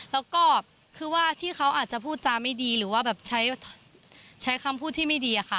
แล้วก็คือว่าที่เขาอาจจะพูดจาไม่ดีหรือว่าแบบใช้คำพูดที่ไม่ดีอะค่ะ